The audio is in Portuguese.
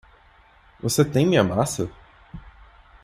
Você tem minha massa?